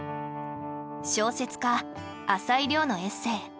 小説家朝井リョウのエッセイ